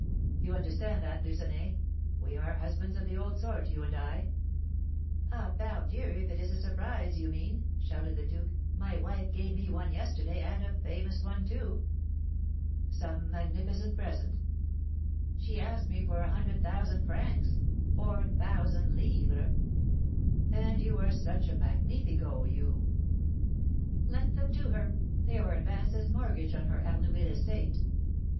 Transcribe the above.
You understand that, Lucenay? We are husbands of the old sort, you and I." "Ah, pardieu! If it is a surprise you mean," shouted the duke, "my wife gave me one yesterday, and a famous one too!" "Some magnificent present?" "She asked me for a hundred thousand francs (4,000_l._)." "And you are such a magnifico you " "Lent them to her; they are advanced as mortgage on her Arnouville estate.